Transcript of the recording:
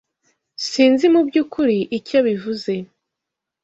Sinzi mubyukuri icyo bivuze.